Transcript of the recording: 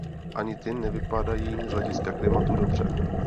Ani ty nevypadají z hlediska klimatu dobře.